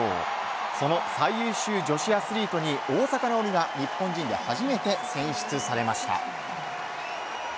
その最優秀女子アスリートに大坂なおみが日本人で初めて選出されました。